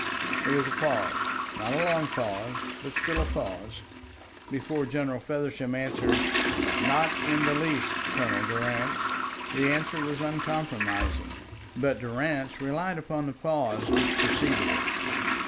There was a pause not a long pause, but still a pause before General Feversham answered: "Not in the least, Colonel Durrance." The answer was uncompromising, but Durrance relied upon the pause which preceded it.